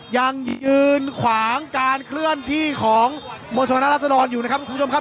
ยังยืนขวางการเคลื่อนที่ของมวลชนรัศดรอยู่นะครับคุณผู้ชมครับ